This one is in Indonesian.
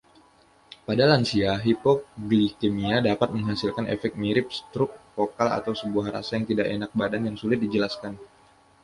Pada lansia, hipoglikemia dapat menghasilkan efek mirip stroke fokal atau sebuah rasa tidak enak badan yang sulit dijelaskan.